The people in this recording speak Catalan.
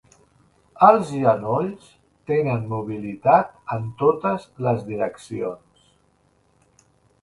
Els genolls tenen mobilitat en totes les direccions.